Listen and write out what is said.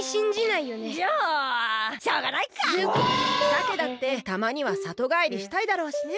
さけだってたまにはさとがえりしたいだろうしね。